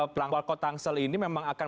pelanggol pelanggol tangsel ini memang akan